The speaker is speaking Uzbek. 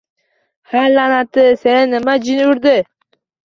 Ha, la’nati, seni nima jin urdi